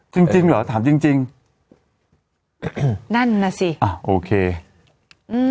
จริงจริงเหรอถามจริงจริงนั่นน่ะสิอ่ะโอเคอืม